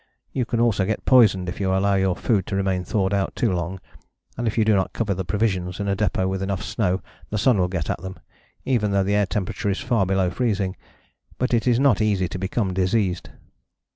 You can also get poisoned if you allow your food to remain thawed out too long, and if you do not cover the provisions in a depôt with enough snow the sun will get at them, even though the air temperature is far below freezing. But it is not easy to become diseased.